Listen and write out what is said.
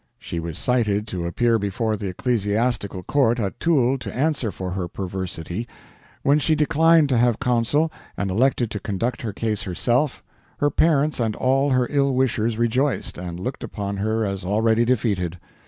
She was cited to appear before the ecclesiastical court at Toul to answer for her perversity; when she declined to have counsel, and elected to conduct her case herself, her parents and all her ill wishers rejoiced, and looked upon her as already defeated.